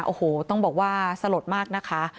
โอ้โหต้องบอกว่าสลดมากนะคะ